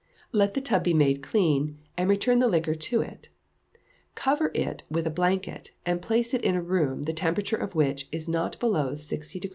Let the tub be made clean, and return the liquor to it, cover it with a blanket, and place it in a room the temperature of which is not below 60° Fahr.